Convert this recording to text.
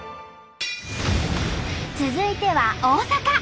続いては大阪！